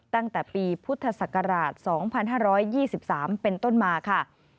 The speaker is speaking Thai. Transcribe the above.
ตั้งแต่ปีพุทธศักราช๒๕๒๓เป็นต้นมาค่ะ